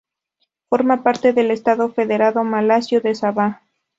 Forma parte del estado federado malasio de Sabah.